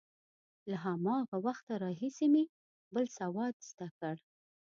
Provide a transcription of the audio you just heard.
له هماغه وخته راهیسې مې بل سواد زده کړ.